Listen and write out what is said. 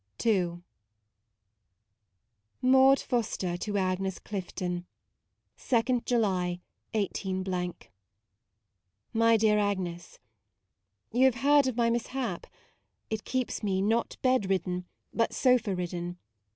MAUDE 89 II Maude Foster to Agnes Clifton. 2nd July, 1 8 My Dear Agnes, YOU have heard of my mis hap ? it keeps me, not bed ridden, but sofa ridden.